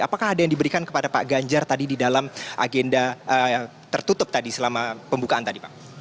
apakah ada yang diberikan kepada pak ganjar tadi di dalam agenda tertutup tadi selama pembukaan tadi pak